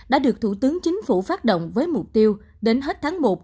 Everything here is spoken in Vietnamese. đã được thủ tướng chính phủ phát động với mục tiêu đến hết tháng một